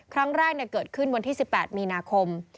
ครั้งแรกเกิดขึ้นวันที่๑๘มีนาคม